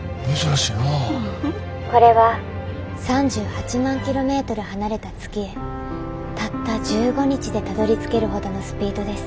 これは３８万キロメートル離れた月へたった１５日でたどりつけるほどのスピードです。